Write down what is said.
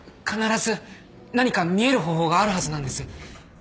必ず何か見える方法があるはずなんです。